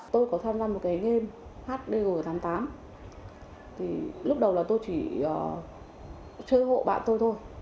tôi có tham gia một game hzg tám mươi tám lúc đầu là tôi chỉ chơi hộ bạn tôi thôi